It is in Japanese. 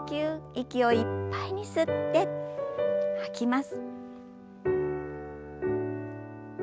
息をいっぱいに吸って吐きます。